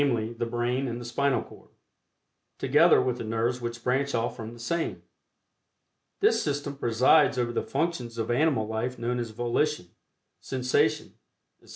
the brain and the spinal cord, together with the nerves which branch off from the same. This system presides over the functions of animal life known as volition, sensation, etc.